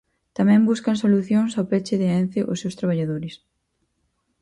Tamén buscan solucións ao peche de Ence os seus traballadores.